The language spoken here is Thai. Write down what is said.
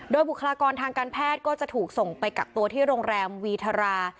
โดยบุคลากรทางการแพทย์ก็จะถูกส่งไปกักตัวที่โรงแรมวีทรา